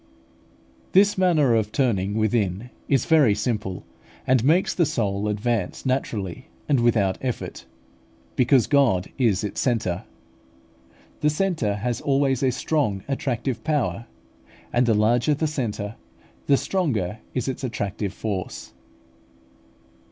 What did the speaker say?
This manner of turning within is very simple, and makes the soul advance naturally and without effort; because God is its centre. The centre has always a strong attractive power; and the larger the centre, the stronger is its attractive force.